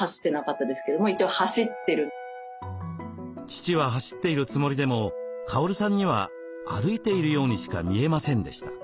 父は走っているつもりでもカオルさんには歩いているようにしか見えませんでした。